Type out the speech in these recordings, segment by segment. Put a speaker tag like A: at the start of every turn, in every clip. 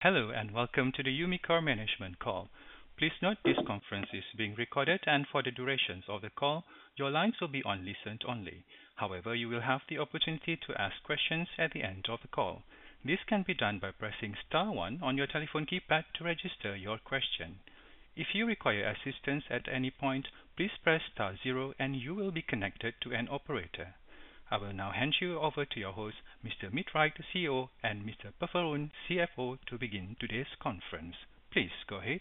A: Hello. Welcome to the Umicore management call. Please note this conference is being recorded. For the duration of the call, your lines will be on listen only. You will have the opportunity to ask questions at the end of the call. This can be done by pressing star one on your telephone keypad to register your question. If you require assistance at any point, please press star zero and you will be connected to an operator. I will now hand you over to your host, Mr. Miedreich, CEO, and Mr. Peferoen, CFO, to begin today's conference. Please go ahead.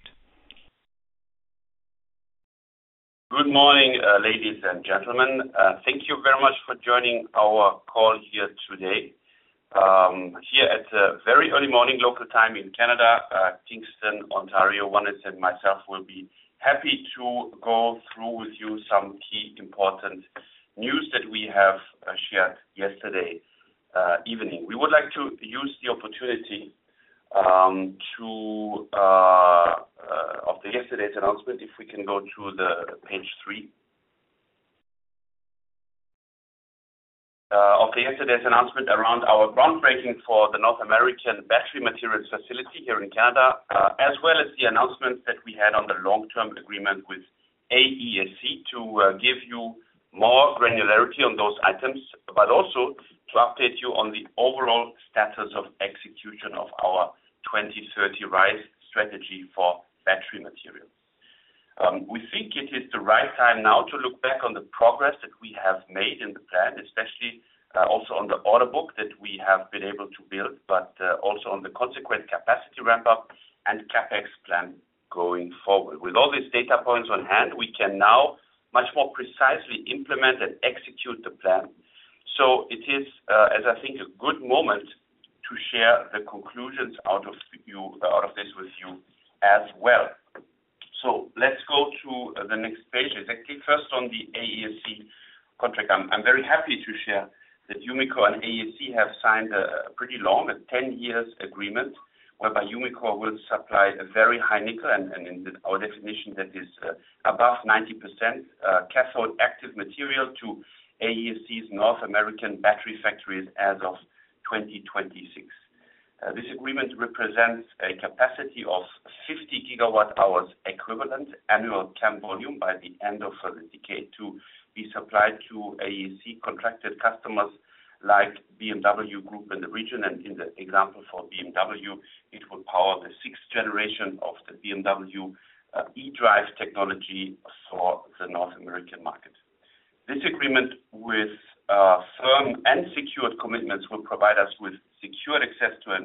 B: Good morning, ladies and gentlemen. Thank you very much for joining our call here today. Here it is very early morning, local time in Canada, Kingston, Ontario. Wannes and myself will be happy to go through with you some key important news that we have shared yesterday evening. We would like to use the opportunity of yesterday's announcement, if we can go to page three. Of yesterday's announcement around our groundbreaking for the North American battery materials facility here in Canada, as well as the announcements that we had on the long-term agreement with AESC to give you more granularity on those items, but also to update you on the overall status of execution of our 2030 RISE strategy for battery materials. We think it is the right time now to look back on the progress that we have made in the plan, especially also on the order book that we have been able to build, on the consequent capacity ramp-up and CapEx plan going forward. With all these data points on hand, we can now much more precisely implement and execute the plan. It is, as I think, a good moment to share the conclusions out of this with you as well. Let's go to the next page. Exactly first on the AESC contract. I'm very happy to share that Umicore and AESC have signed a pretty long, a 10-years agreement, whereby Umicore will supply a very high nickel, and in our definition, that is above 90%, cathode active material to AESC's North American battery factories as of 2026. This agreement represents a capacity of 50 gigawatt hours equivalent annual CAM volume by the end of the decade to be supplied to AESC-contracted customers like BMW Group in the region. In the example for BMW, it will power the sixth generation of the BMW eDrive technology for the North American market. This agreement with firm and secured commitments will provide us with secured access to a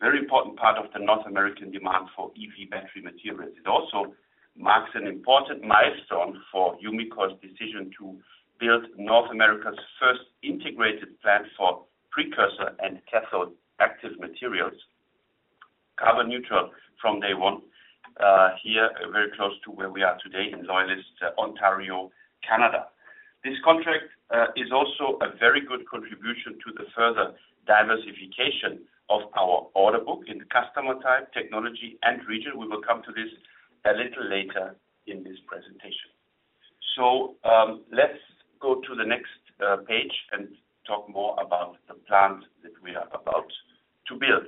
B: very important part of the North American demand for EV battery materials. It also marks an important milestone for Umicore's decision to build North America's first integrated plant for precursor and cathode active materials, carbon neutral from day one, here very close to where we are today in Loyalist, Ontario, Canada. This contract is also a very good contribution to the further diversification of our order book in the customer type, technology, and region. We will come to this a little later in this presentation. Let's go to the next page and talk more about the plant that we are about to build.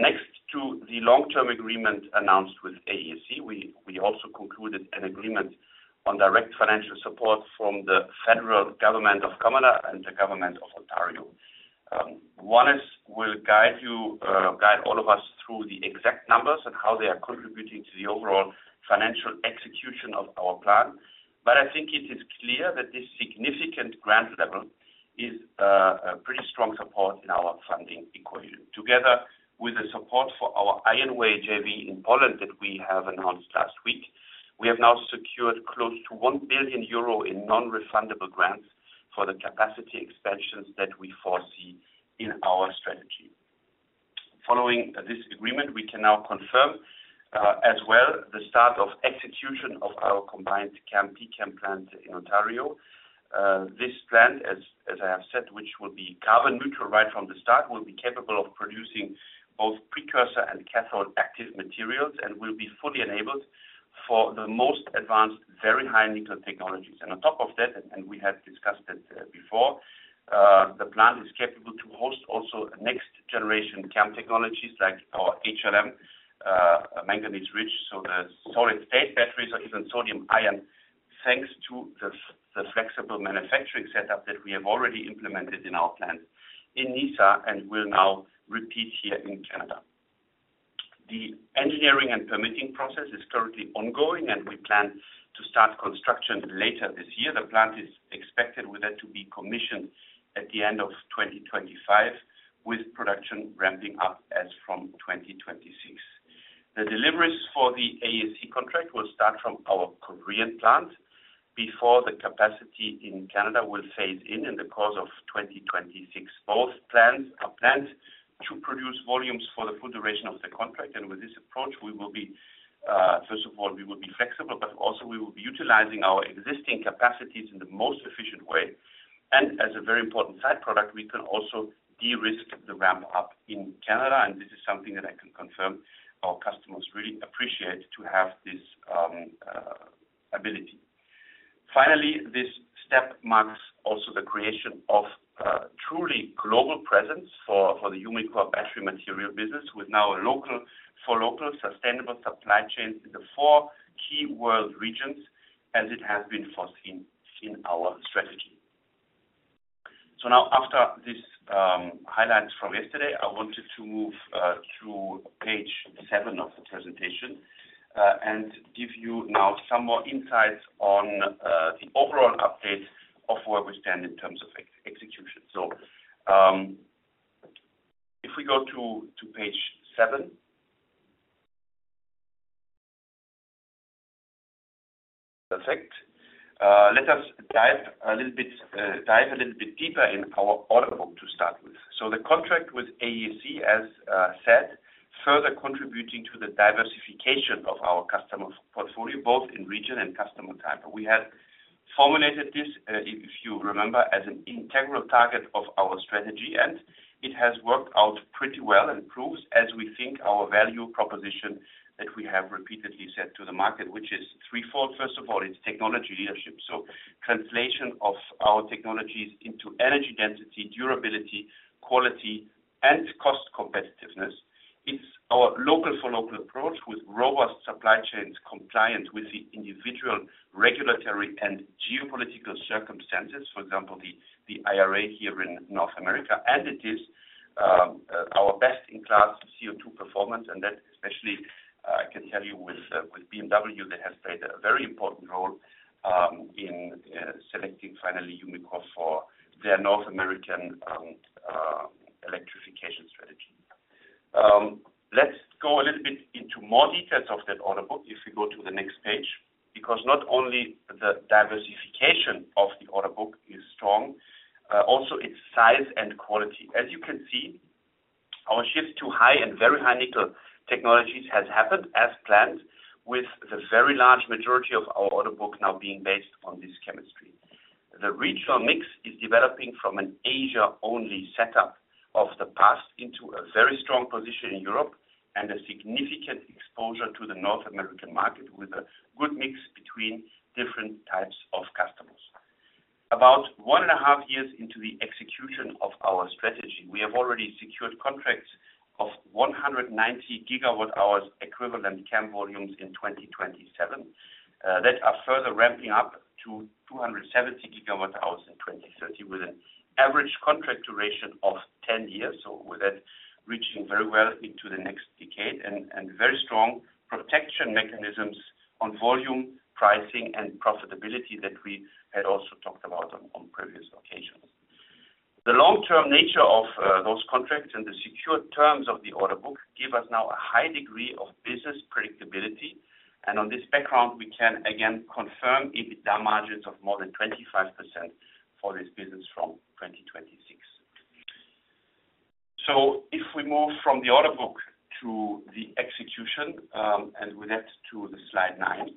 B: Next to the long-term agreement announced with AESC, we also concluded an agreement on direct financial support from the federal government of Canada and the government of Ontario. Wannes will guide all of us through the exact numbers and how they are contributing to the overall financial execution of our plan. I think it is clear that this significant grant level is a pretty strong support in our funding equation. Together with the support for our IONWAY JV in Poland that we have announced last week, we have now secured close to 1 billion euro in non-refundable grants for the capacity expansions that we foresee in our strategy. Following this agreement, we can now confirm, as well, the start of execution of our combined CAM, PCAM plant in Ontario. This plant, as I have said, which will be carbon neutral right from the start, will be capable of producing both precursor and cathode active materials and will be fully enabled for the most advanced, very high nickel technologies. On top of that, we have discussed it before, the plant is capable to host also next-generation CAM technologies like our HLM, manganese-rich, the solid-state batteries or even sodium-ion, thanks to the flexible manufacturing setup that we have already implemented in our plant in Nysa and will now repeat here in Canada. The engineering and permitting process is currently ongoing, and we plan to start construction later this year. The plant is expected with that to be commissioned at the end of 2025, with production ramping up as from 2026. The deliveries for the AESC contract will start from our Korean plant before the capacity in Canada will phase in the course of 2026. Both plants are planned to produce volumes for the full duration of the contract. With this approach, first of all, we will be flexible, also we will be utilizing our existing capacities in the most efficient way. As a very important side product, we can also de-risk the ramp-up in Canada, and this is something that I can confirm our customer ability. Finally, this step marks also the creation of a truly global presence for the Umicore Battery Materials business, with now local for local sustainable supply chains in the four key world regions, as it has been foreseen in our strategy. Now, after these highlights from yesterday, I wanted to move to page seven of the presentation, and give you now some more insights on the overall update of where we stand in terms of execution. If we go to page seven. Perfect. Let us dive a little bit deeper in our order book to start with. The contract with AESC, as said, further contributing to the diversification of our customer portfolio, both in region and customer type. We had formulated this, if you remember, as an integral target of our strategy, and it has worked out pretty well and proves, as we think, our value proposition that we have repeatedly said to the market, which is threefold. First of all, it's technology leadership, translation of our technologies into energy density, durability, quality, and cost competitiveness. It's our local for local approach with robust supply chains compliant with the individual regulatory and geopolitical circumstances. For example, the IRA here in North America. It is our best-in-class CO2 performance, and that especially, I can tell you with BMW, that has played a very important role in selecting finally Umicore for their North American electrification strategy. Let's go a little bit into more details of that order book, if we go to the next page, because not only the diversification of the order book is strong, also its size and quality. As you can see, our shift to high and very high nickel technologies has happened as planned, with the very large majority of our order book now being based on this chemistry. The regional mix is developing from an Asia-only setup of the past into a very strong position in Europe, and a significant exposure to the North American market, with a good mix between different types of customers. About one and a half years into the execution of our strategy, we have already secured contracts of 190 gigawatt hours equivalent CAM volumes in 2027, that are further ramping up to 270 gigawatt hours in 2030 with an average contract duration of 10 years, so with that reaching very well into the next decade. Very strong protection mechanisms on volume, pricing, and profitability that we had also talked about on previous occasions. The long-term nature of those contracts and the secured terms of the order book give us now a high degree of business predictability. On this background, we can again confirm EBITDA margins of more than 25% for this business from 2026. If we move from the order book to the execution, and with that to the slide nine.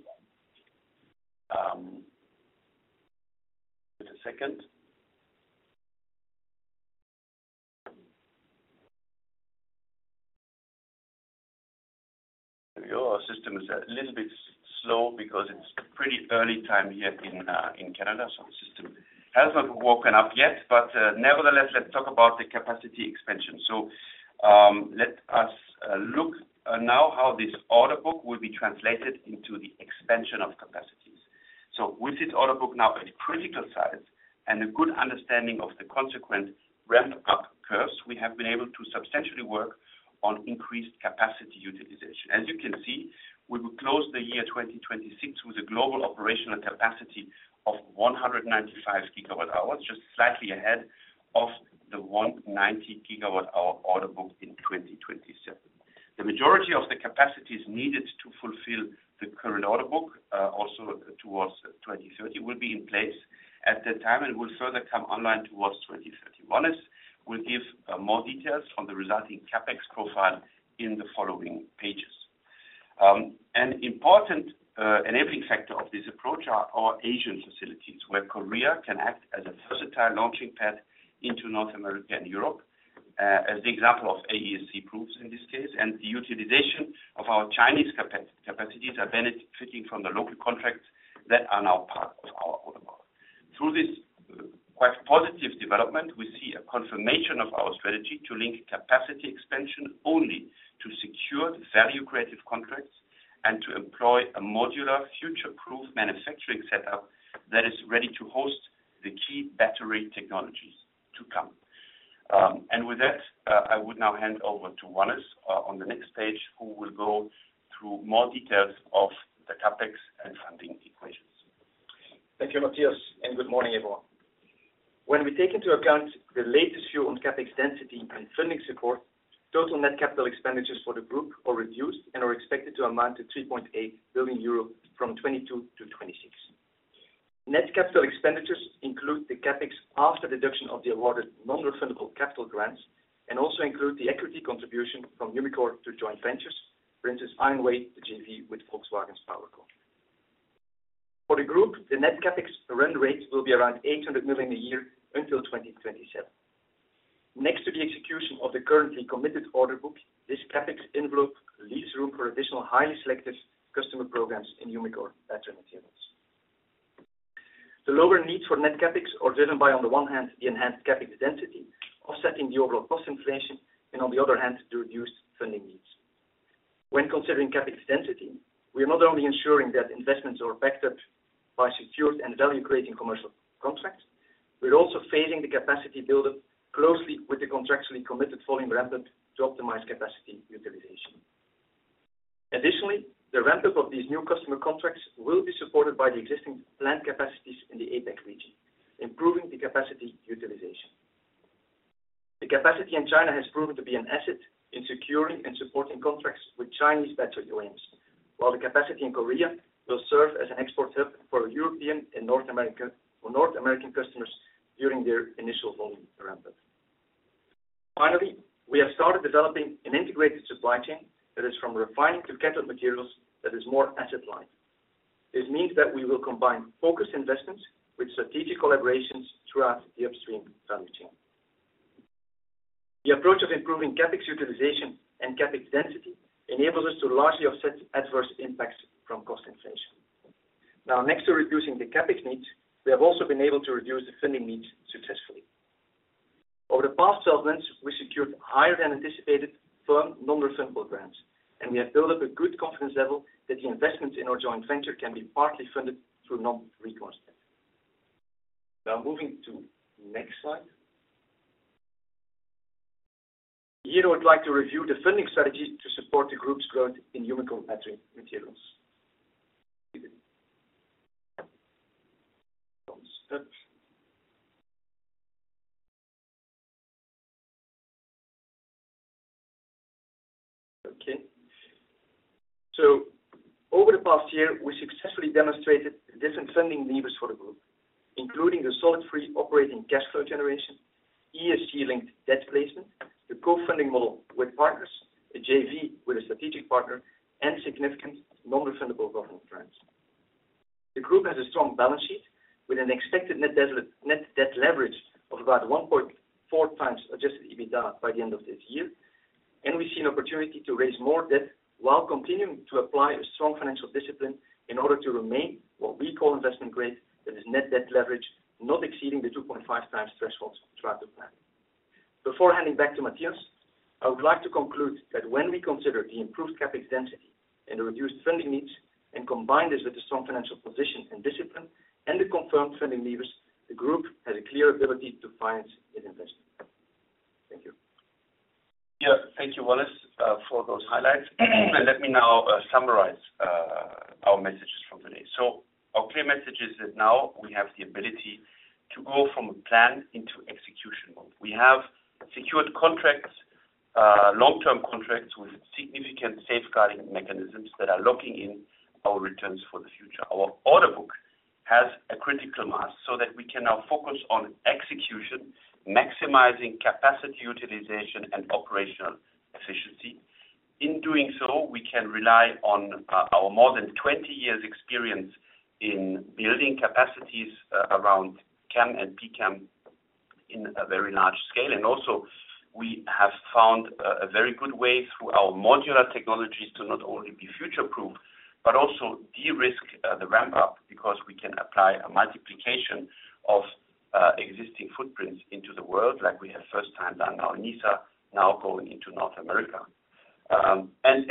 B: Just a second. There we go. Our system is a little bit slow because it's pretty early time here in Canada, so the system hasn't woken up yet. Nevertheless, let's talk about the capacity expansion. Let us look now how this order book will be translated into the expansion of capacities. With this order book now at a critical size and a good understanding of the consequent ramp up curves, we have been able to substantially work on increased capacity utilization. As you can see, we will close the year 2026 with a global operational capacity of 195 gigawatt hours, just slightly ahead of the 190-gigawatt hour order book in 2027. The majority of the capacities needed to fulfill the current order book, also towards 2030, will be in place at that time and will further come online towards 2030. Wannes will give more details on the resulting CapEx profile in the following pages. An important enabling factor of this approach are our Asian facilities, where Korea can act as a versatile launching pad into North America and Europe, as the example of AESC proves in this case. The utilization of our Chinese capacities are benefiting from the local contracts that are now part of our order book. Through this quite positive development, we see a confirmation of our strategy to link capacity expansion only to secure value-creative contracts and to employ a modular future-proof manufacturing setup that is ready to host the key battery technologies to come. With that, I would now hand over to Wannes on the next page, who will go through more details of the CapEx and funding equations.
C: Thank you, Mathias, and good morning, everyone. When we take into account the latest view on CapEx density and funding support, total net capital expenditures for the group are reduced and are expected to amount to 3.8 billion euro from 2022 to 2026. Net capital expenditures include the CapEx after deduction of the awarded non-refundable capital grants, and also include the equity contribution from Umicore to joint ventures. For instance, IONWAY, the JV with Volkswagen's PowerCo. For the group, the net CapEx run rate will be around 800 million a year until 2027. Next to the execution of the currently committed order book, this CapEx envelope leaves room for additional highly selective customer programs in Umicore Battery Materials. The lower needs for net CapEx are driven by, on the one hand, the enhanced CapEx density offsetting the overall cost inflation, and on the other hand, the reduced funding needs. When considering CapEx density, we are not only ensuring that investments are backed up by secured and value-creating commercial contracts, we are also phasing the capacity buildup closely with the contractually committed volume ramp-up to optimize capacity utilization. Additionally, the ramp-up of these new customer contracts will be supported by the existing plant capacities in the APAC region, improving the capacity utilization. The capacity in China has proven to be an asset in securing and supporting contracts with Chinese battery OEMs, while the capacity in Korea will serve as an export hub for European and North American customers during their initial volume ramp-up. Finally, we have started developing an integrated supply chain that is from refining to cathode materials that is more asset-light. This means that we will combine focused investments with strategic collaborations throughout the upstream value chain. The approach of improving CapEx utilization and CapEx density enables us to largely offset adverse impacts from cost inflation. Next to reducing the CapEx needs, we have also been able to reduce the funding needs successfully. Over the past 12 months, we secured higher than anticipated firm, non-refundable grants, and we have built up a good confidence level that the investment in our joint venture can be partly funded through non-recourse debt. Moving to next slide. Here, I would like to review the funding strategies to support the group's growth in Umicore Battery Materials. Over the past year, we successfully demonstrated the different funding levers for the group, including the solid, free operating cash flow generation, ESG-linked debt placement, the co-funding model with partners, a JV with a strategic partner, and significant non-refundable government grants. The group has a strong balance sheet with an expected net debt leverage of about 1.4 times adjusted EBITDA by the end of this year, and we see an opportunity to raise more debt while continuing to apply a strong financial discipline in order to remain what we call investment grade. That is net debt leverage, not exceeding the 2.5 times thresholds throughout the plan. Before handing back to Mathias, I would like to conclude that when we consider the improved CapEx density and the reduced funding needs, and combine this with the strong financial position and discipline and the confirmed funding levers, the group has a clear ability to finance its investment. Thank you.
B: Yeah. Thank you, Wannes, for those highlights. Let me now summarize our messages from today. Our clear message is that now we have the ability to go from a plan into execution mode. We have secured contracts, long-term contracts with significant safeguarding mechanisms that are locking in our returns for the future. Our order book has a critical mass so that we can now focus on execution, maximizing capacity utilization, and operational efficiency. In doing so, we can rely on our more than 20 years' experience in building capacities around CAM and PCAM in a very large scale. Also, we have found a very good way through our modular technologies to not only be future-proof, but also de-risk the ramp-up, because we can apply a multiplication of existing footprints into the world like we have first time done now in Nysa, now going into North America.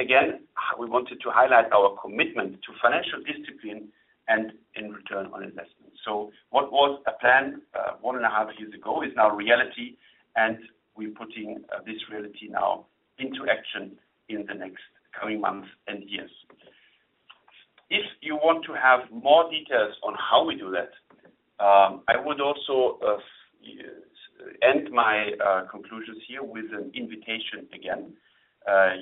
B: Again, we wanted to highlight our commitment to financial discipline and in return on investment. What was a plan one and a half years ago is now reality, and we're putting this reality now into action in the next coming months and years. If you want to have more details on how we do that, I would also end my conclusions here with an invitation again.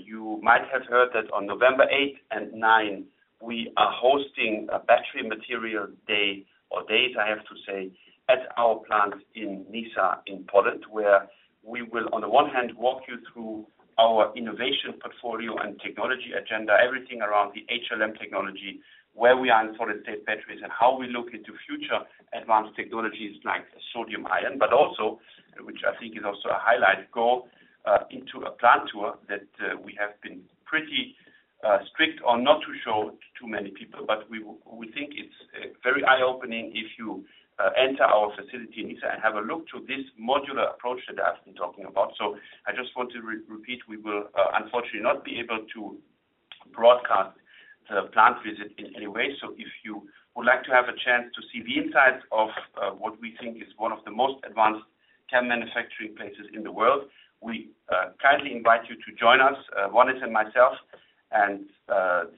B: You might have heard that on November eighth and ninth, we are hosting a battery material day, or days I have to say, at our plant in Nysa in Poland, where we will, on the one hand, walk you through our innovation portfolio and technology agenda, everything around the HLM technology, where we are in solid state batteries, and how we look into future advanced technologies like sodium-ion. Also, which I think is also a highlight, go into a plant tour that we have been pretty strict on, not to show too many people, but we think it's very eye-opening if you enter our facility in Nysa and have a look to this modular approach that I've been talking about. I just want to repeat, we will unfortunately not be able to broadcast the plant visit in any way. If you would like to have a chance to see the inside of what we think is one of the most advanced CAM manufacturing places in the world, we kindly invite you to join us. Wannes and myself and the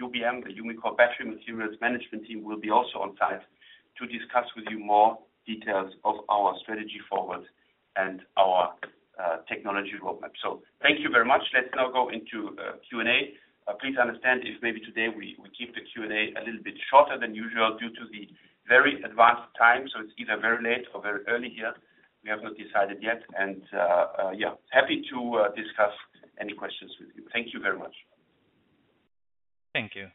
B: UBM, the Umicore Battery Materials management team, will be also on site to discuss with you more details of our strategy forward and our technology roadmap. Thank you very much. Let's now go into Q&A. Please understand if maybe today we keep the Q&A a little bit shorter than usual due to the very advanced time. It's either very late or very early here. We have not decided yet. Yeah, happy to discuss any questions with you. Thank you very much.
A: Thank you.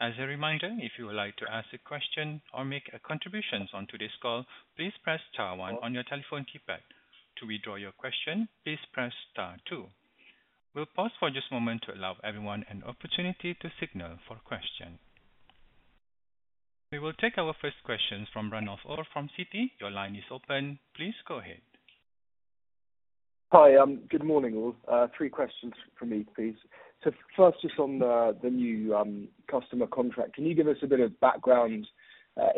A: As a reminder, if you would like to ask a question or make a contribution on today's call, please press star one on your telephone keypad. To withdraw your question, please press star two. We will pause for just a moment to allow everyone an opportunity to signal for a question. We will take our first question from Ranulf Orr from Citi. Your line is open. Please go ahead.
D: Hi. Good morning, all. Three questions from me, please. First, just on the new customer contract, can you give us a bit of background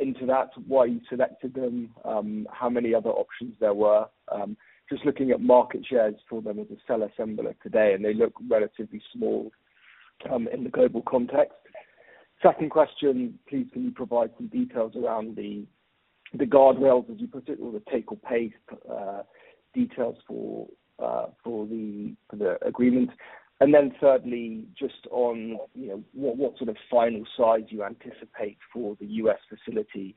D: into that, why you selected them? How many other options there were? Just looking at market shares for them as a cell assembler today, and they look relatively small in the global context. Second question, please, can you provide some details around the guardrails, as you put it, or the take-or-pay details for the agreement? Then thirdly, just on what sort of final size you anticipate for the U.S. facility.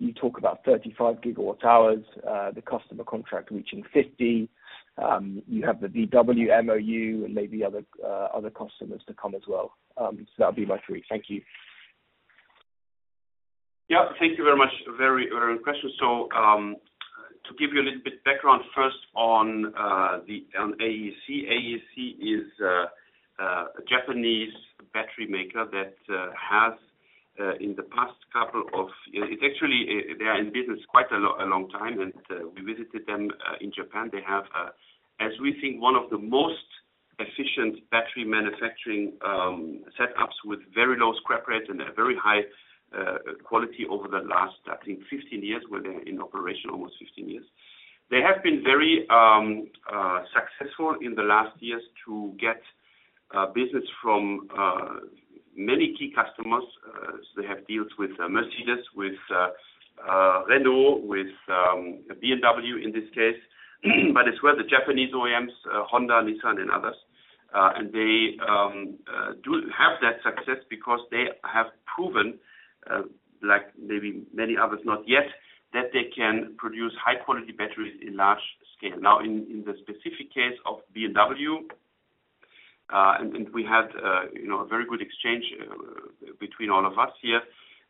D: You talk about 35 gigawatt hours, the customer contract reaching 50. You have the VW MOU and maybe other customers to come as well. That'll be my three. Thank you.
B: Yeah. Thank you very much. Very early question. To give you a little bit background first on AESC. AESC is a Japanese battery maker. Actually, they are in business quite a long time, and we visited them in Japan. They have, as we think, one of the most efficient battery manufacturing setups with very low scrap rates and a very high quality over the last, I think, 15 years, where they're in operation almost 15 years. They have been very successful in the last years to get business from many key customers. They have deals with Mercedes-Benz, with Renault, with BMW in this case, but as well, the Japanese OEMs, Honda, Nissan, and others. They do have that success because they have proven, like maybe many others not yet, that they can produce high-quality batteries in large scale. In the specific case of BMW, we had a very good exchange between all of us here.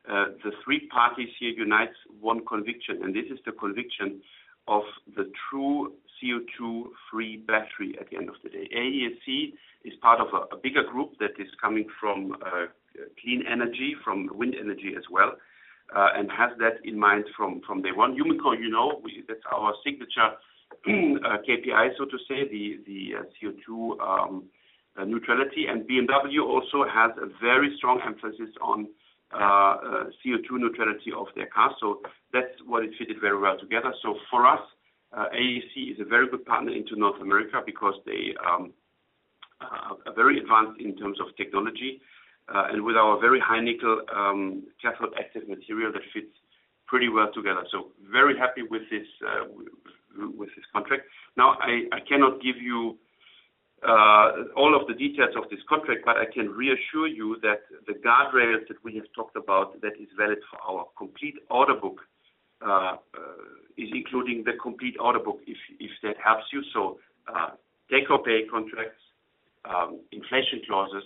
B: The three parties here unites one conviction, this is the conviction of the true CO2-free battery at the end of the day. AESC is part of a bigger group that is coming from clean energy, from wind energy as well, have that in mind from day one. Umicore, you know, that's our signature KPI, so to say, the CO2 neutrality. BMW also has a very strong emphasis on CO2 neutrality of their cars. That's why it fitted very well together. For us, AESC is a very good partner into North America because they are very advanced in terms of technology, with our very high nickel cathode active material, that fits pretty well together. Very happy with this contract. I cannot give you all of the details of this contract, I can reassure you that the guardrails that we have talked about that is valid for our complete order book, is including the complete order book, if that helps you. Take-or-pay contracts, inflation clauses,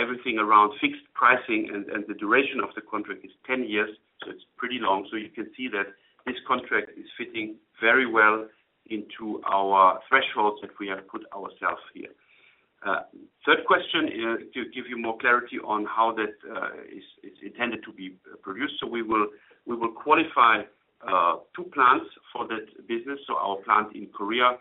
B: everything around fixed pricing and the duration of the contract is 10 years, it's pretty long. You can see that this contract is fitting very well into our thresholds that we have put ourselves here. Third question, to give you more clarity on how that is intended to be produced. We will qualify two plants for that business. Our plant in Korea,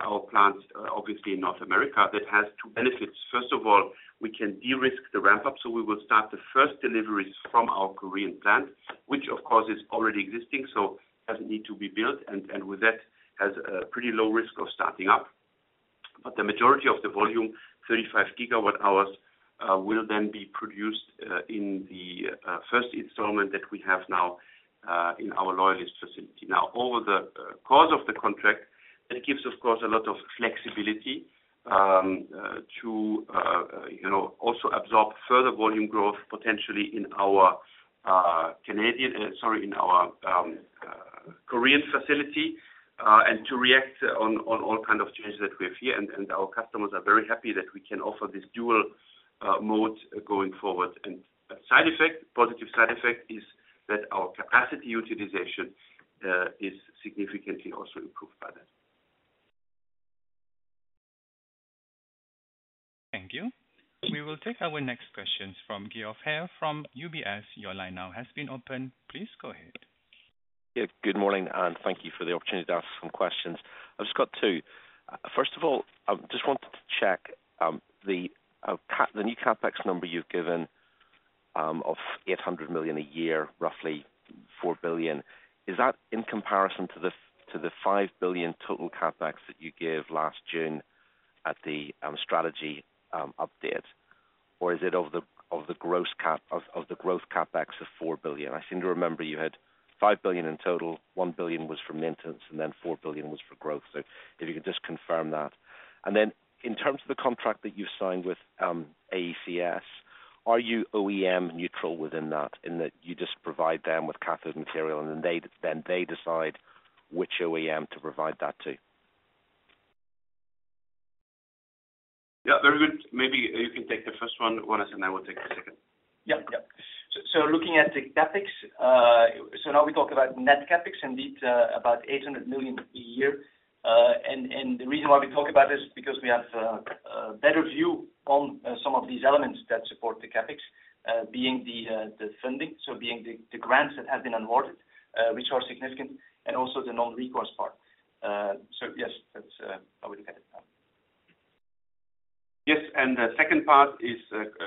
B: our plant, obviously, in North America, that has two benefits. First of all, we can de-risk the ramp-up. We will start the first deliveries from our Korean plant, which of course, is already existing, it doesn't need to be built, with that, has a pretty low risk of starting up. The majority of the volume, 35 gigawatt hours, will then be produced in the first installment that we have now, in our Loyalist facility. Over the course of the contract, that gives, of course, a lot of flexibility to also absorb further volume growth, potentially in our Korean facility, to react on all kind of changes that we have here. Our customers are very happy that we can offer this dual mode going forward. A positive side effect is that our capacity utilization is significantly also improved by that.
A: Thank you. We will take our next questions from Geoff Haire from UBS. Your line now has been opened. Please go ahead.
E: Good morning, thank you for the opportunity to ask some questions. I've just got two. First of all, I just wanted to check the new CapEx number you've given of 800 million a year, roughly 4 billion. Is that in comparison to the 5 billion total CapEx that you gave last June at the strategy update, or is it of the growth CapEx of 4 billion? I seem to remember you had 5 billion in total, 1 billion was for maintenance, 4 billion was for growth. If you could just confirm that. In terms of the contract that you signed with AESC Are you OEM neutral within that, in that you just provide them with cathode material, they decide which OEM to provide that to?
B: Very good. Maybe you can take the first one, Wannes, I will take the second.
C: Looking at the CapEx, now we talk about net CapEx, indeed about 800 million a year. The reason why we talk about this is because we have a better view on some of these elements that support the CapEx, being the funding, being the grants that have been awarded, which are significant, also the non-recourse part. Yes, that's how we look at it.
B: Yes, the second part is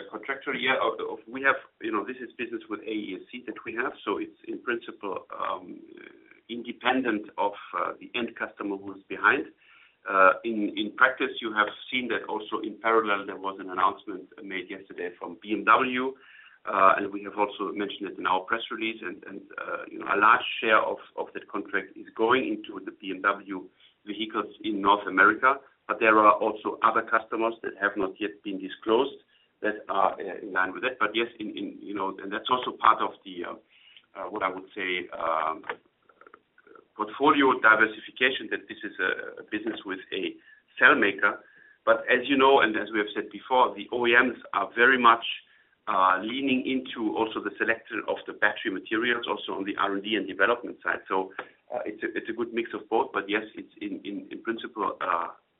B: contractual. This is business with AESC that we have, it's in principle, independent of the end customer who's behind. In practice, you have seen that also in parallel, there was an announcement made yesterday from BMW, we have also mentioned it in our press release. A large share of that contract is going into the BMW vehicles in North America. There are also other customers that have not yet been disclosed that are in line with it. Yes, that's also part of the, what I would say, portfolio diversification, that this is a business with a cell maker. As you know, as we have said before, the OEMs are very much leaning into also the selection of the battery materials, also on the R&D and development side. It's a good mix of both. Yes, it's in principle,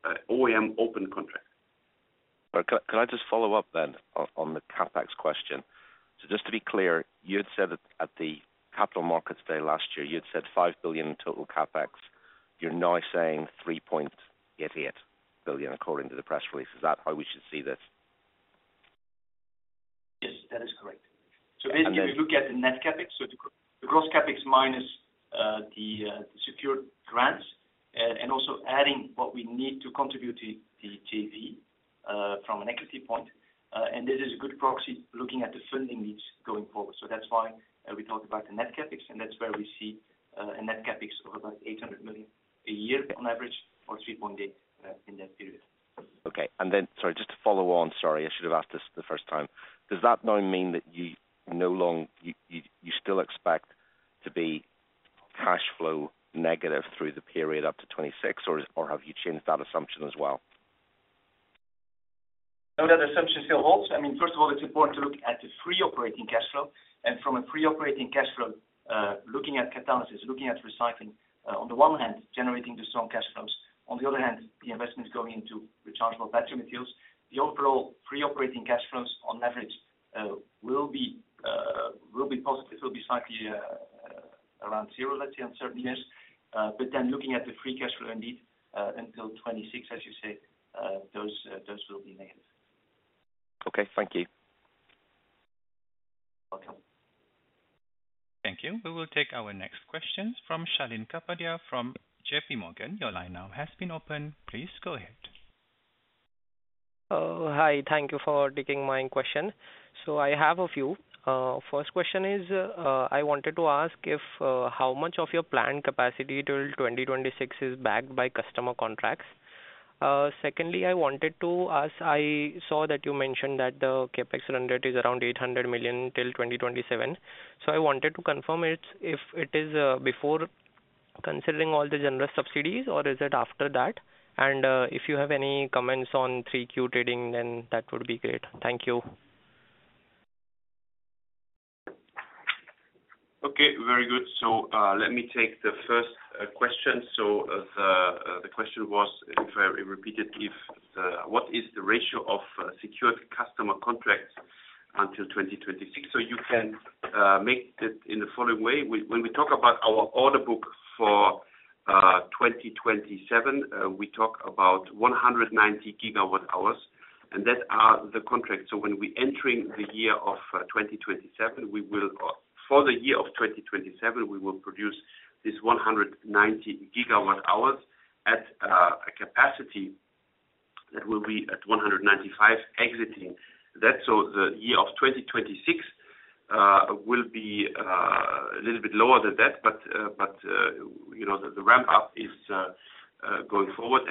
B: a OEM open contract.
E: Could I just follow up on the CapEx question. Just to be clear, at the Capital Markets Day last year, you'd said 5 billion total CapEx. You're now saying 3.88 billion, according to the press release. Is that how we should see this?
C: Yes, that is correct. If you look at the net CapEx, the gross CapEx minus the secured grants, also adding what we need to contribute to the JV from an equity point, this is a good proxy looking at the funding needs going forward. That's why we talk about the net CapEx, that's where we see a net CapEx of about 800 million a year on average for 3.8 billion in that period.
E: Okay. Sorry, just to follow on. Sorry, I should have asked this the first time. Does that now mean that you still expect to be cash flow negative through the period up to 2026, or have you changed that assumption as well?
C: No, that assumption still holds. First of all, it's important to look at the free operating cash flow, from a free operating cash flow, looking at catalysis, looking at recycling, on the one hand, generating the strong cash flows, on the other hand, the investments going into Rechargeable Battery Materials. The overall free operating cash flows on average will be positive, will be slightly around zero, let's say, on certain years. Looking at the free cash flow indeed, until 2026, as you say, those will be negative.
E: Okay. Thank you.
C: Welcome.
A: Thank you. We will take our next questions from Shalin Kapadia from JPMorgan. Your line now has been opened. Please go ahead.
F: Hi. Thank you for taking my question. I have a few. First question is, I wanted to ask how much of your planned capacity till 2026 is backed by customer contracts? Secondly, I wanted to ask, I saw that you mentioned that the CapEx run rate is around 800 million till 2027. I wanted to confirm if it is before considering all the generous subsidies, or is it after that? If you have any comments on 3Q trading, then that would be great. Thank you.
C: Okay. Very good. Let me take the first question. The question was, if I repeat it, what is the ratio of secured customer contracts until 2026? You can make that in the following way. When we talk about our order book for 2027, we talk about 190 gigawatt-hours, and that are the contracts. When we entering the year of 2027, for the year of 2027, we will produce this 190 gigawatt-hours at a capacity that will be at 195 exiting that. The year of 2026 will be a little bit lower than that, but the ramp-up is going forward.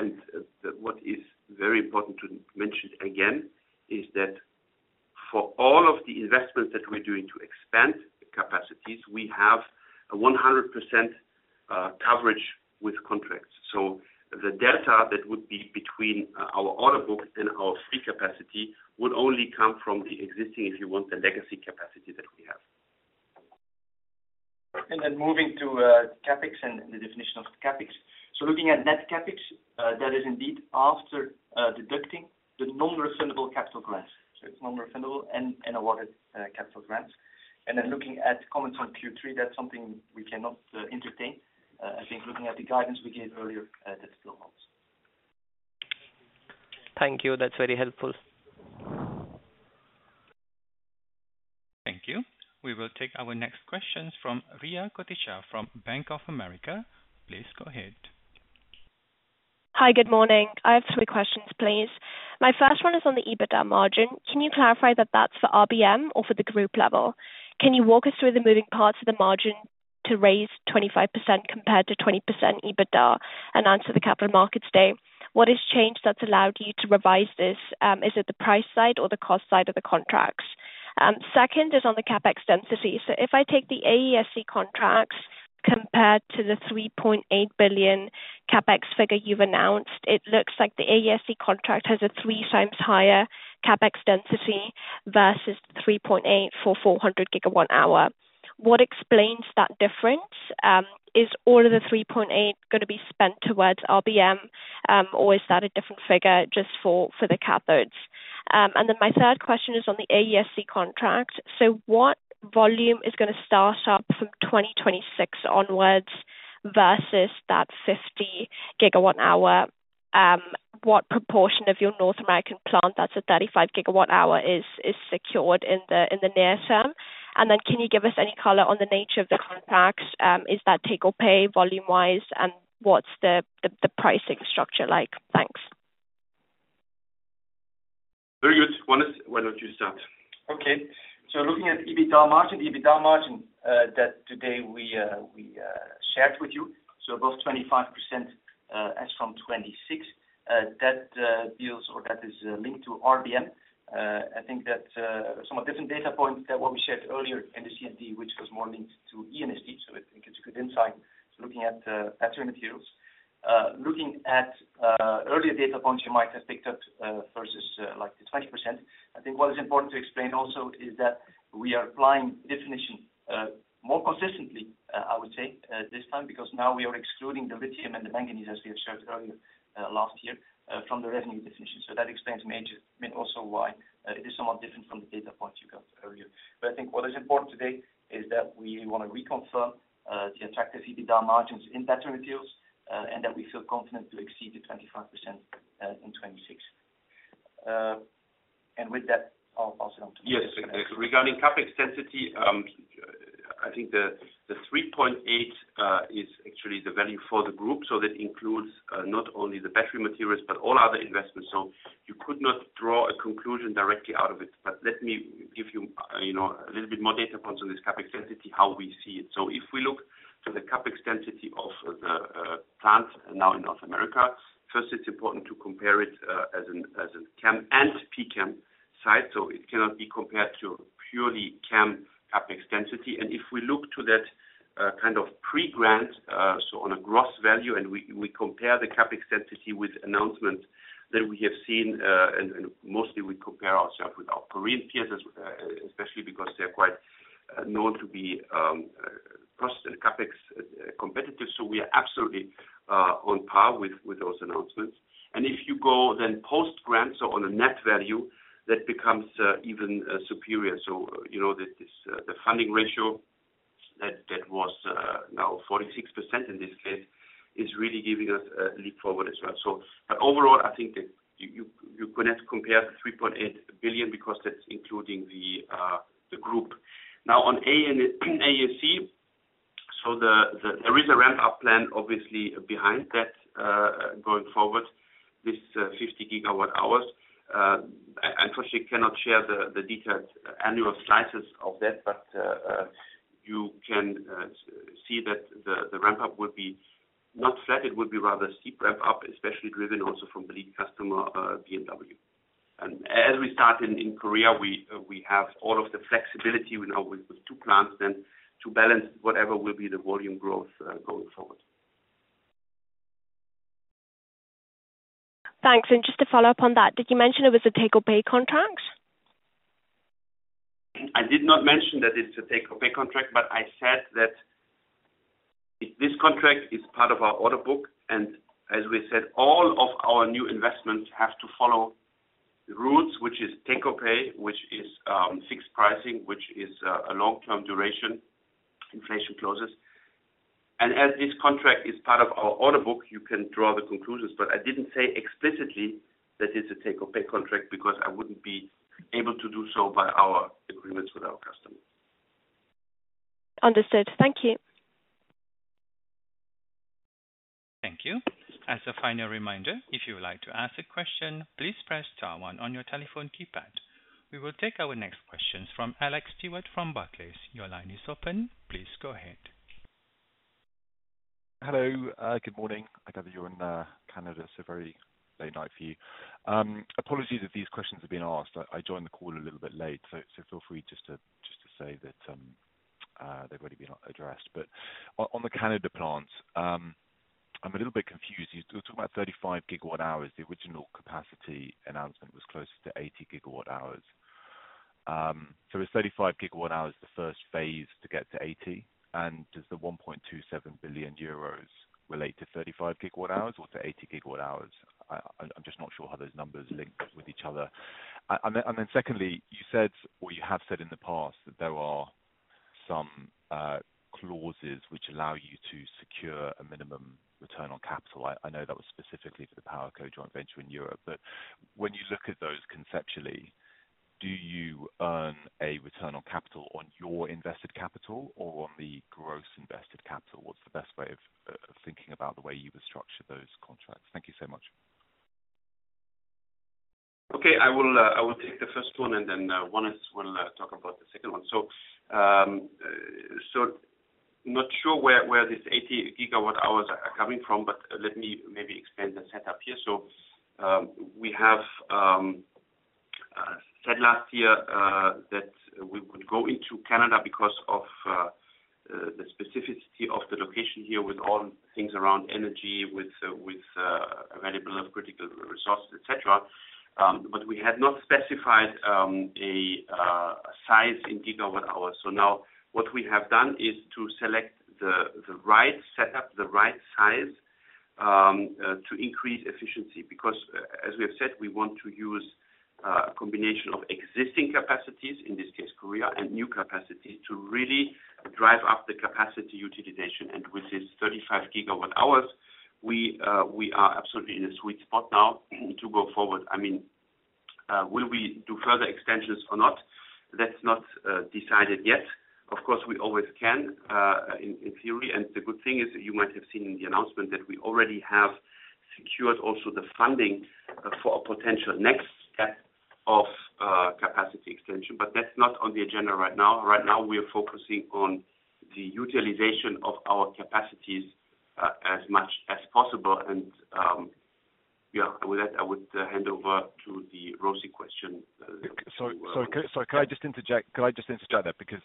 C: What is very important to mention again is that for all of the investments that we're doing to expand capacities, we have a 100% coverage with contracts. The delta that would be between our order book and our free capacity would only come from the existing, if you want, the legacy capacity that we have. Moving to CapEx and the definition of CapEx. Looking at net CapEx, that is indeed after deducting the non-refundable capital grants. It's non-refundable and awarded capital grants. Looking at comments on Q3, that's something we cannot entertain. I think looking at the guidance we gave earlier, that still holds.
F: Thank you. That's very helpful.
A: Thank you. We will take our next questions from Riya Kotecha from Bank of America. Please go ahead.
G: Hi. Good morning. I have three questions, please. My first one is on the EBITDA margin. Can you clarify that that's for RBM or for the group level? Can you walk us through the moving parts of the margin? To raise 25% compared to 20% EBITDA announced at the Capital Markets Day. What has changed that's allowed you to revise this? Is it the price side or the cost side of the contracts? Second is on the CapEx density. If I take the AESC contracts compared to the 3.8 billion CapEx figure you've announced, it looks like the AESC contract has a 3 times higher CapEx density versus 3.8 for 400 gigawatt hour. What explains that difference? Is all of the 3.8 going to be spent towards RBM, or is that a different figure just for the cathodes? My third question is on the AESC contract. What volume is going to start up from 2026 onwards versus that 50 GWh? What proportion of your North American plant that's at 35 GWh is secured in the near term? Can you give us any color on the nature of the contracts? Is that take or pay volume-wise, and what's the pricing structure like? Thanks.
B: Very good. Wannes, why don't you start?
C: Okay. Looking at EBITDA margin that today we shared with you, above 25% as from 2026. That deals or that is linked to RBM. I think that somewhat different data points than what we shared earlier in the CMD, which was more linked to E&SD. I think it's a good insight looking at battery materials. Looking at earlier data points you might have picked up versus like the 20%, I think what is important to explain also is that we are applying definition, more consistently, I would say, this time, because now we are excluding the lithium and the manganese, as we have shared earlier, last year, from the revenue definition. That explains also why it is somewhat different from the data points you got earlier. I think what is important today is that we want to reconfirm the attractive EBITDA margins in battery materials, and that we feel confident to exceed the 25% in 2026. With that, I'll pass it on to Mathias.
B: Yes. Regarding CapEx density, I think the 3.8 is actually the value for the group. That includes not only the battery materials, but all other investments. You could not draw a conclusion directly out of it. Let me give you a little bit more data points on this CapEx density, how we see it. If we look to the CapEx density of the plant now in North America, first, it's important to compare it as a CAM and PCAM site, so it cannot be compared to purely CAM CapEx density. If we look to that kind of pre-grant, so on a gross value, and we compare the CapEx density with announcements that we have seen, and mostly we compare ourself with our Korean peers, especially because they are quite known to be cost and CapEx competitive. We are absolutely on par with those announcements. If you go then post-grant, so on a net value, that becomes even superior. The funding ratio that was now 46% in this case is really giving us a leap forward as well. Overall, I think that you could not compare the 3.8 billion because that's including the group. Now on AESC, there is a ramp-up plan obviously behind that, going forward, this 50 gigawatt hours. Unfortunately, cannot share the detailed annual slices of that. You can see that the ramp-up would be not flat, it would be rather steep ramp up, especially driven also from the lead customer, BMW. As we start in Korea, we have all of the flexibility now with those two plants then to balance whatever will be the volume growth going forward.
G: Thanks. Just to follow up on that, did you mention it was a take-or-pay contract?
B: I did not mention that it's a take-or-pay contract, but I said that this contract is part of our order book. As we said, all of our new investments have to follow the rules, which is take or pay, which is fixed pricing, which is a long-term duration, inflation clauses. As this contract is part of our order book, you can draw the conclusions. I didn't say explicitly that it's a take-or-pay contract because I wouldn't be able to do so by our agreements with our customer.
G: Understood. Thank you.
A: Thank you. As a final reminder, if you would like to ask a question, please press star one on your telephone keypad. We will take our next questions from Alex Stewart from Barclays. Your line is open. Please go ahead.
H: Hello, good morning. I gather you're in Canada, so very late night for you. Apologies if these questions have been asked. I joined the call a little bit late, so feel free just to say that they've already been addressed. On the Canada plant, I'm a little bit confused. You're talking about 35 gigawatt hours. The original capacity announcement was closer to 80 gigawatt hours. Is 35 gigawatt hours the first phase to get to 80? Does the 1.27 billion euros relate to 35 gigawatt hours or to 80 gigawatt hours? I'm just not sure how those numbers link with each other. Secondly, you said, or you have said in the past that there are some clauses which allow you to secure a minimum return on capital. I know that was specifically for the PowerCo joint venture in Europe. When you look at those conceptually, do you earn a return on capital on your invested capital or on the gross invested capital? What's the best way of thinking about the way you would structure those contracts? Thank you so much.
B: Okay. I will take the first one and then Wannes will talk about the second one. Not sure where this 80 gigawatt hours are coming from. Let me maybe explain the setup here. We have said last year that we would go into Canada because of the specificity of the location here with all things around energy, with availability of critical resources, et cetera. We had not specified a size in gigawatt hours. Now what we have done is to select the right setup, the right size, to increase efficiency. Because, as we have said, we want to use a combination of existing capacities, in this case, Korea, and new capacities to really drive up the capacity utilization. With this 35 gigawatt hours, we are absolutely in a sweet spot now to go forward. Will we do further extensions or not? That's not decided yet. Of course, we always can, in theory. The good thing is, you might have seen in the announcement that we already have secured also the funding for a potential next step of capacity extension. That's not on the agenda right now. Right now, we are focusing on the utilization of our capacities as much as possible. With that, I would hand over to the ROCE question.
H: Sorry, can I just interject there? Because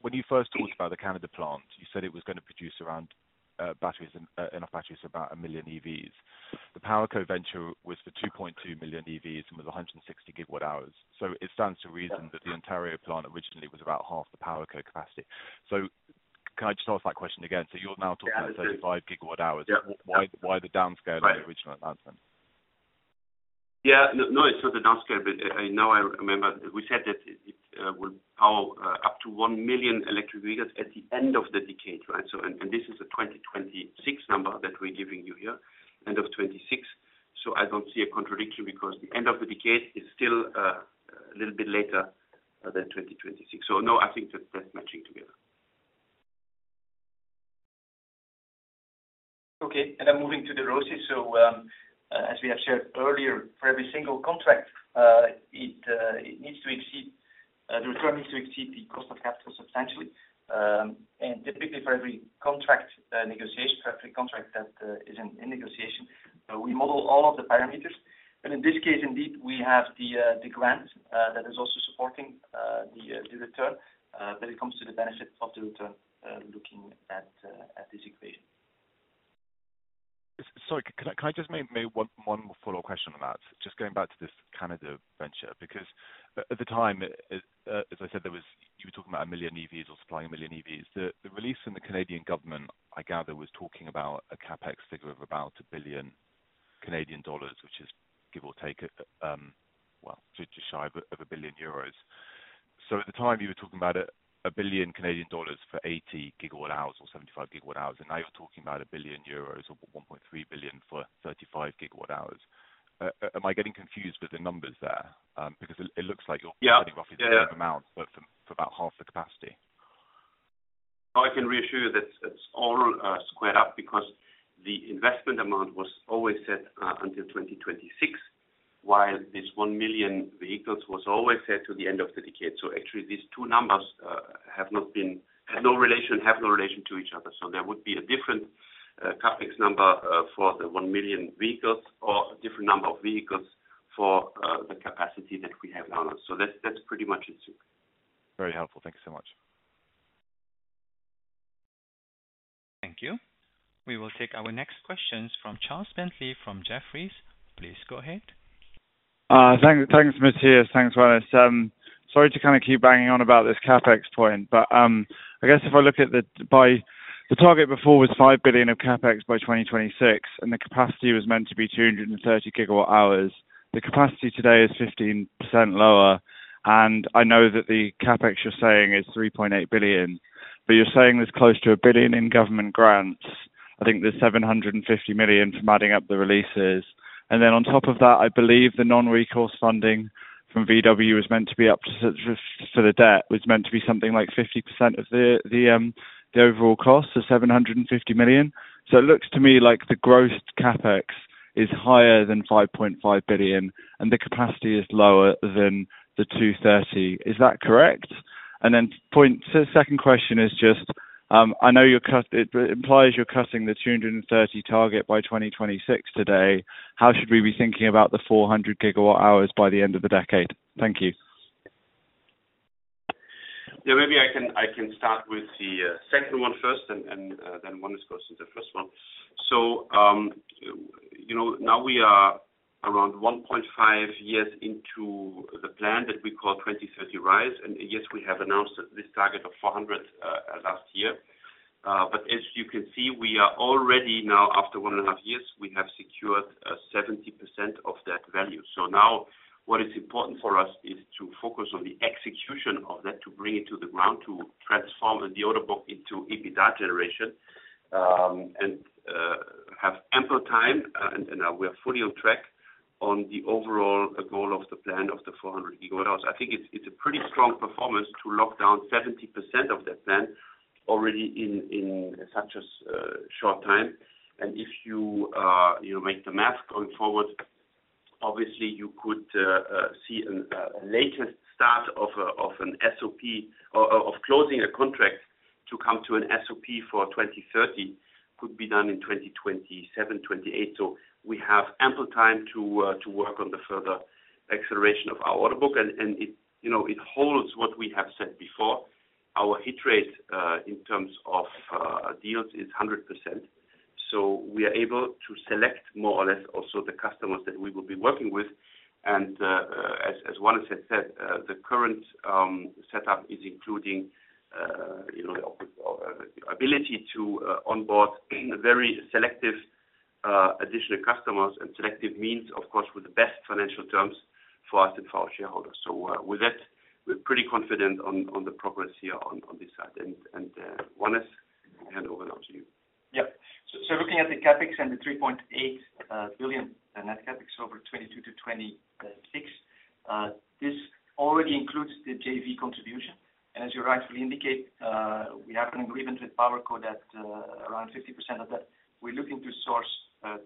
H: when you first talked about the Canada plant, you said it was going to produce enough batteries for about 1 million EVs. The PowerCo venture was for 2.2 million EVs and was 160 gigawatt hours. It stands to reason that the Ontario plant originally was about half the PowerCo capacity. Can I just ask that question again? You're now talking about 35 gigawatt hours.
B: Yeah.
H: Why the downscale on the original announcement?
B: It's not a downscale. I remember. We said that it will power up to 1 million electric vehicles at the end of the decade. This is a 2026 number that we're giving you here, end of 2026. I don't see a contradiction because the end of the decade is still a little bit later than 2026. I think that's matching together.
C: I'm moving to the ROCE. As we have shared earlier, for every single contract, the return needs to exceed the cost of capital substantially. Typically, for every contract negotiation, for every contract that is in negotiation, we model all of the parameters. In this case, indeed, we have the grant that is also supporting the return. It comes to the benefit of the return, looking at this equation.
H: Sorry, can I just make one follow-up question on that? Just going back to this Canada venture, because at the time, as I said, you were talking about 1 million EVs or supplying 1 million EVs. The release from the Canadian government, I gather, was talking about a CapEx figure of about 1 billion Canadian dollars, which is give or take, well, just shy of 1 billion euros. At the time, you were talking about 1 billion Canadian dollars for 80 gigawatt hours or 75 gigawatt hours, and now you're talking about 1 billion euros or 1.3 billion for 35 gigawatt hours. Am I getting confused with the numbers there? Because it looks like you're-
B: Yeah
H: roughly the same amount, for about half the capacity.
B: I can reassure you that it's all squared up because the investment amount was always set until 2026, while this 1 million vehicles was always set to the end of the decade. Actually, these two numbers have no relation to each other. There would be a different CapEx number for the 1 million vehicles or a different number of vehicles for the capacity that we have now. That's pretty much it.
H: Very helpful. Thank you so much.
A: Thank you. We will take our next questions from Charles Bentley from Jefferies. Please go ahead.
I: Thanks, Mathias. Thanks, Wannes. Sorry to kind of keep banging on about this CapEx point. I guess if I look at the target before was 5 billion of CapEx by 2026, the capacity was meant to be 230 gigawatt hours. The capacity today is 15% lower. I know that the CapEx you're saying is 3.8 billion, you're saying there's close to 1 billion in government grants. I think there's 750 million from adding up the releases. On top of that, I believe the non-recourse funding from VW was meant to be up to the debt, was meant to be something like 50% of the overall cost, 750 million. It looks to me like the gross CapEx is higher than 5.5 billion and the capacity is lower than the 230. Is that correct? Second question is just, I know it implies you're cutting the 230 target by 2026 today. How should we be thinking about the 400 gigawatt hours by the end of the decade? Thank you.
B: Yeah, maybe I can start with the second one first, Wannes goes to the first one. Now we are around 1.5 years into the plan that we call 2030 RISE, yes, we have announced this target of 400 last year. As you can see, we are already now, after one and a half years, we have secured 70% of that value. Now what is important for us is to focus on the execution of that, to bring it to the ground, to transform the order book into EBITDA generation, have ample time. We are fully on track on the overall goal of the plan of the 400 gigawatts. I think it's a pretty strong performance to lock down 70% of that plan already in such a short time. If you make the math going forward, obviously you could see a latest start of closing a contract to come to an SOP for 2030 could be done in 2027, 2028. We have ample time to work on the further acceleration of our order book. It holds what we have said before. Our hit rate in terms of deals is 100%. We are able to select more or less also the customers that we will be working with. As Wannes has said, the current setup is including the ability to onboard very selective additional customers. Selective means, of course, with the best financial terms for us and for our shareholders. With that, we're pretty confident on the progress here on this side. Wannes, I hand over now to you.
C: Yeah. Looking at the CapEx and the 3.8 billion net CapEx over 2022 to 2026, this already includes the JV contribution. As you rightfully indicate, we have an agreement with PowerCo that around 50% of that we're looking to source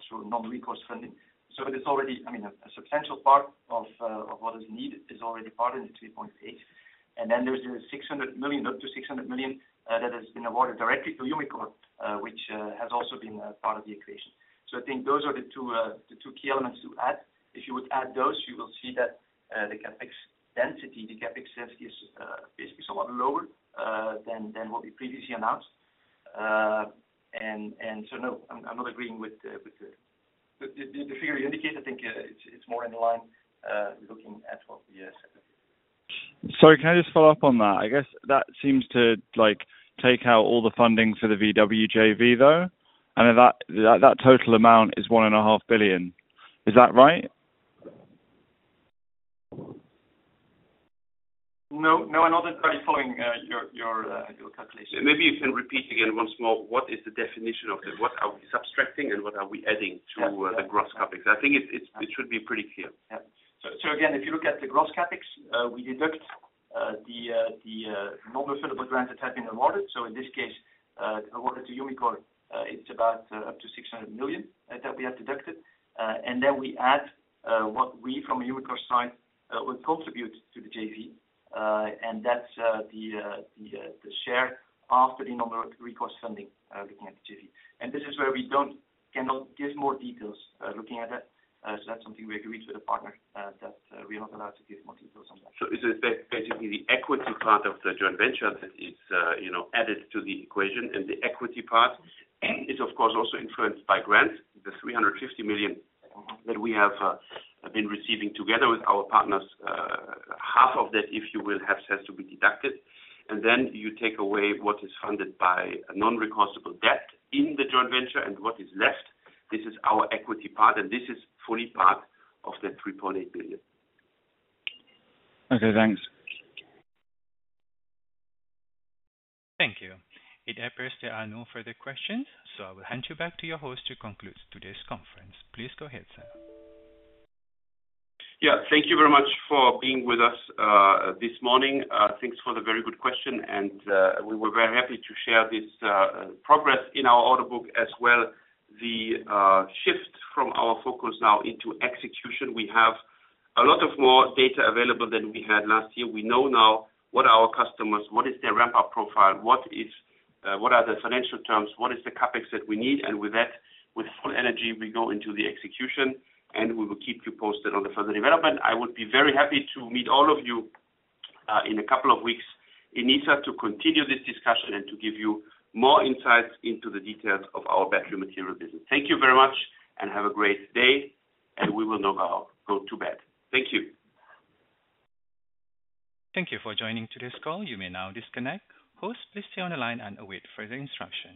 C: through non-recourse funding. It is already a substantial part of what is needed is already part of the 3.8. There's up to 600 million that has been awarded directly to Umicore, which has also been part of the equation. I think those are the two key elements to add. If you would add those, you will see that the CapEx density is basically somewhat lower than what we previously announced. No, I'm not agreeing with the figure you indicate. I think it's more in line looking at what we have said.
I: Sorry, can I just follow up on that? I guess that seems to take out all the funding for the VW JV, though. That total amount is 1.5 billion. Is that right?
C: No, I'm not entirely following your calculation.
B: Maybe you can repeat again once more, what is the definition of that? What are we subtracting, and what are we adding to the gross CapEx? I think it should be pretty clear.
C: Yeah. If you look at the gross CapEx, we deduct the non-refundable grants that have been awarded. In this case, awarded to Umicore, it's about up to 600 million that we have deducted. We add what we, from Umicore's side, will contribute to the JV. That's the share after the non-recourse funding, looking at the JV. This is where we cannot give more details looking at that. That's something we agreed with the partner, that we are not allowed to give more details on that.
B: Is it basically the equity part of the joint venture that is added to the equation? The equity part is, of course, also influenced by grants. The 350 million that we have been receiving together with our partners, half of that, if you will, has to be deducted. Then you take away what is funded by non-recourseable debt in the joint venture. What is left, this is our equity part, and this is fully part of that 3.8 billion.
I: Okay, thanks.
A: Thank you. It appears there are no further questions, I will hand you back to your host to conclude today's conference. Please go ahead, sir.
B: Thank you very much for being with us this morning. Thanks for the very good question, we were very happy to share this progress in our order book, as well the shift from our focus now into execution. We have a lot of more data available than we had last year. We know now what our customers, what is their ramp-up profile, what are the financial terms, what is the CapEx that we need. With that, with full energy, we go into the execution, we will keep you posted on the further development. I would be very happy to meet all of you in a couple of weeks in Nysa to continue this discussion and to give you more insights into the details of our battery material business. Thank you very much, and have a great day. We will now go to bed. Thank you.
A: Thank you for joining today's call. You may now disconnect. Hosts, please stay on the line and await further instructions.